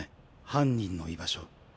犯人の居場所。